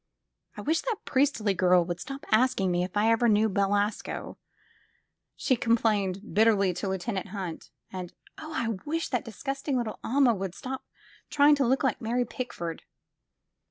I wish that Priestley girl would stop asking me if I ever knew Belasco," she complained bitterly to Lieu 196 THE FILM OF FATE tenant Hunt, "and oh, I wish that disgusting little Alma "would stop trying to look like Mary Pickford!''